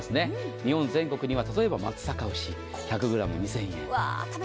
日本全国には例えば松阪牛１００ｇ２０００円。